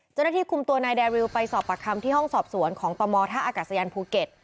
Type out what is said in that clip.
เจ้าหน้าที่คุมตัวนายแดริวไปสอบปากคำที่ห้องสอบสวนของตมท่าอากาศยานภูเก็ต